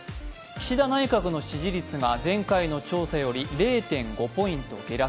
岸田内閣の支持率が前回の調査より０．５ポイント下落。